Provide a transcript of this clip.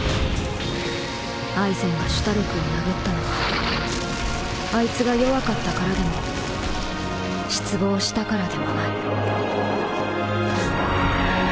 アイゼンがシュタルクを殴ったのはあいつが弱かったからでも失望したからでもない。